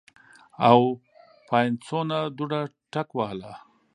او پاينڅو نه دوړه ټکوهله